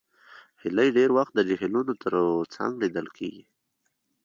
هیلۍ ډېر وخت د جهیلونو تر څنګ لیدل کېږي